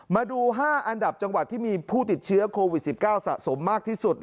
มาดู๕อันดับจังหวัดที่มีผู้ติดเชื้อโควิด๑๙สะสมมากที่สุด